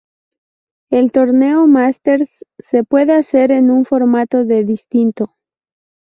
El torneo Másters se puede hacer en un formato de distinto.